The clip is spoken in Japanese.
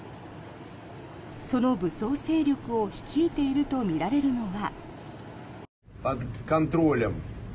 その武装勢力を率いているとみられるのは。